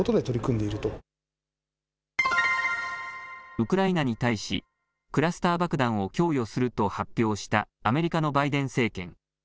ウクライナに対し、クラスター爆弾を供与すると発表したアメリカのバイデン政権。